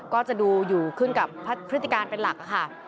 ก็จะดูอยู่ขึ้นกับพฤติการเป็นหลักค่ะ